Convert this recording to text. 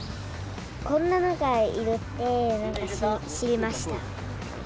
こんなのがいるって、なんか知りました。